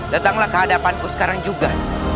datanglah ke hadapanku sekarang juga